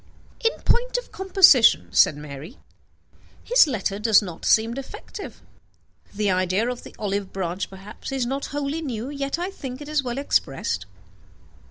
"In point of composition," said Mary, "his letter does not seem defective. The idea of the olive branch perhaps is not wholly new, yet I think it is well expressed."